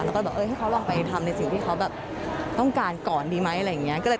แล้วก็แบบให้เขาลองไปทำในสิ่งที่เขาแบบต้องการก่อนดีไหมอะไรอย่างนี้